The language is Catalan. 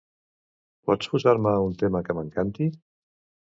Pots posar-me un tema que m'encanti?